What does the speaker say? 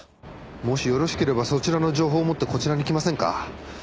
もしよろしければそちらの情報を持ってこちらに来ませんか？